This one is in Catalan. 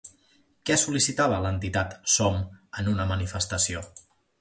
Què sol·licitava l'entitat Som en una manifestació?